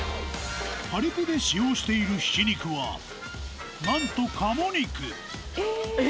パリＰで使用しているひき肉はなんと鴨肉え！？